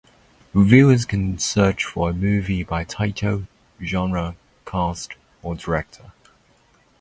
Viewers can search for a movie by title, genre, cast or director.